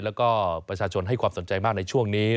แล้วก็ประชาชนให้ความสนใจมากในช่วงนี้